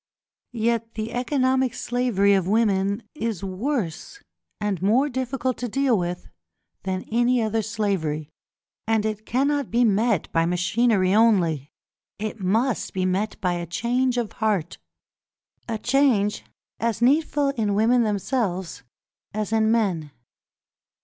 Yet the economic slavery of women is worse and more difficult to deal with than any other slavery, and it cannot be met by machinery only; it must be met by a change of heart, a change as needful in women themselves as in men.